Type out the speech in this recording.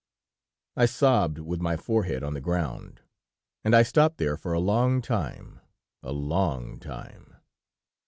I sobbed with my forehead on the ground, and I stopped there for a long time, a long time.